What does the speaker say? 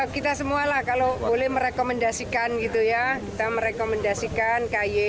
kita semua lah kalau boleh merekomendasikan gitu ya kita merekomendasikan ky